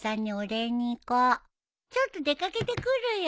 ちょっと出掛けてくるよ。